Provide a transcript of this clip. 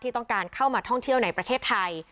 ต้องการเข้ามาท่องเที่ยวในประเทศไทย